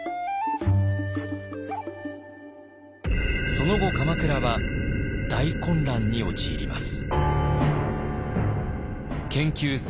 その後鎌倉は大混乱に陥ります。